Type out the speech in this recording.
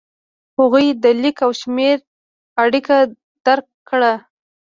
هغوی د لیک او شمېر اړیکه درک کړه.